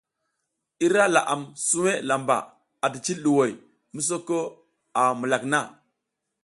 Ira laʼam suwe lamba ati cil ɗuhoy misoko a mukak na.